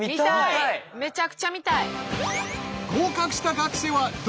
めちゃくちゃ見たい。